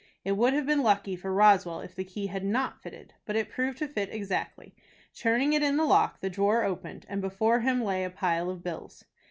It would have been lucky for Roswell if the key had not fitted. But it proved to fit exactly. Turning it in the lock, the drawer opened, and before him lay a pile of bills.